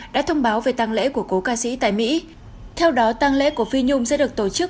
đã thông báo về tăng lễ của cố ca sĩ tại mỹ theo đó tăng lễ của phi nhung sẽ được tổ chức